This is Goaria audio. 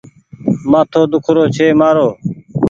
مآٿو ۮيک رو ڇي مآرو ۔